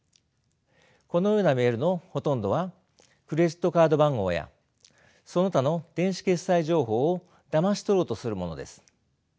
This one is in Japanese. このようなメールのほとんどはクレジットカード番号やその他の電子決済情報をだまし取ろうとするものです。